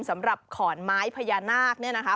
สำหรับขอนไม้พญานาคเนี่ยนะคะ